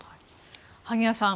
萩谷さん